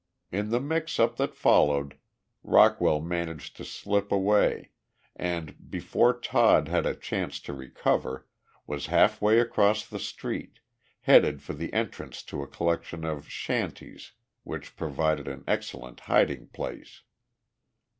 In the mixup that followed Rockwell managed to slip away and, before Todd had a chance to recover, was halfway across the street, headed for the entrance to a collection of shanties which provided an excellent hiding place.